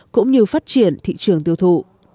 cũng như phát triển thị trường tiêu thụ